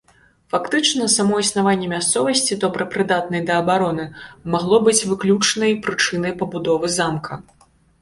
Фактычна, само існаванне мясцовасці, добра прыдатнай да абароны, магло быць выключнай прычынай пабудовы замка.